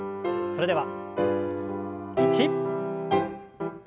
それでは１。